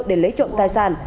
để lấy trộm tài sản